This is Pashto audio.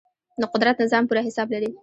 د قدرت نظام پوره حساب لري.